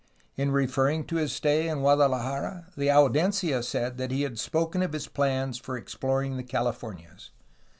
In referring to his stay in Guadalajara, the Audiencia said that he had spoken of his plans for exploring the Californias.